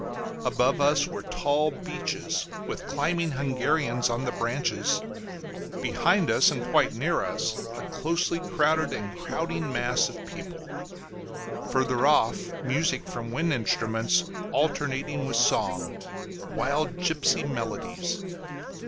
Above us were tall beeches, with climbing Hungarians on the branches; behind and quite near us, a closely crowded and crowding mass of people; further off, music from wind instruments, alternating with song wild gipsy melodies.